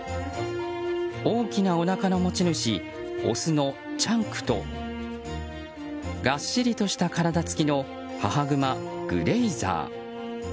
大きなおなかの持ち主オスのチャンクとがっしりとした体つきの母グマ、グレイザー。